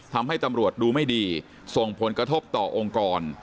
ทำให้ตำรวจดูไม่ดีส่งผลกระทบต่อองค์กร